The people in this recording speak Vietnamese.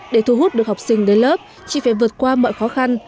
để thu hút được học sinh đến lớp chị phải vượt qua mọi khó khăn